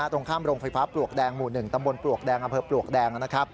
ตรงข้ามโรงไฟฟ้าปลวกแดงหมู่๑ตำบลปลวกแดงอำเภอปลวกแดง